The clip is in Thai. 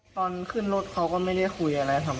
ตอนขึ้นรถเขาก็ไม่ได้คุยอะไรครับ